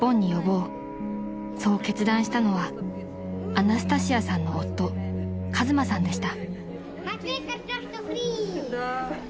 ［そう決断したのはアナスタシアさんの夫和真さんでした］